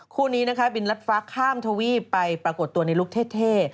คู่นี้นะคะบินรัดฟ้าข้ามทวีปไปปรากฏตัวในลุคเท่